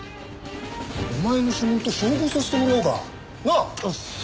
お前の指紋と照合させてもらおうか。なあ？